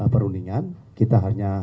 perundingan kita hanya